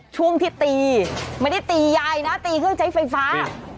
ช่วงที่ตีไม่ได้ตียายนะตีเครื่องใช้ไฟฟ้า